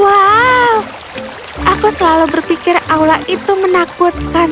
wow aku selalu berpikir aula itu menakutkan